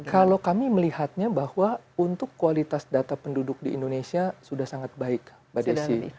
kalau kami melihatnya bahwa untuk kualitas data penduduk di indonesia sudah sangat baik mbak desi